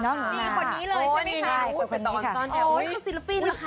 น่ารัก